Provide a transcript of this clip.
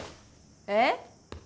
えっ？